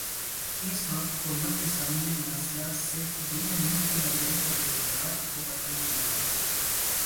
اس وقت حکومت کے سامنے مسئلہ صرف یہ نہیں ہے کہ ناجائز تجاوزات کو ختم کرنا ہے۔